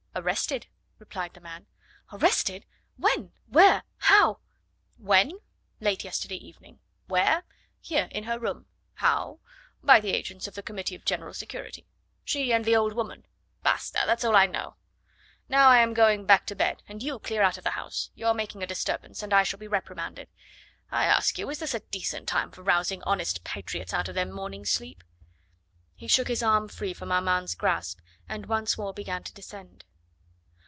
"Arrested," replied the man. "Arrested? When? Where? How?" "When late yesterday evening. Where? here in her room. How? by the agents of the Committee of General Security. She and the old woman! Basta! that's all I know. Now I am going back to bed, and you clear out of the house. You are making a disturbance, and I shall be reprimanded. I ask you, is this a decent time for rousing honest patriots out of their morning sleep?" He shook his arm free from Armand's grasp and once more began to descend.